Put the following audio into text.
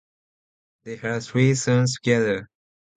They had three sons together.